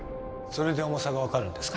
それで重さが分かるんですか